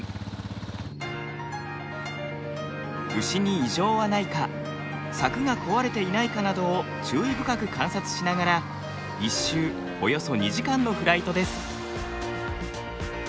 牛に異常はないか柵が壊れていないかなどを注意深く観察しながら１周およそ２時間のフライトです。